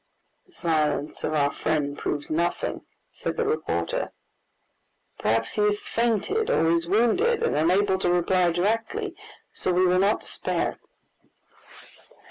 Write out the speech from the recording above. "The silence of our friend proves nothing," said the reporter. "Perhaps he has fainted or is wounded, and unable to reply directly, so we will not despair."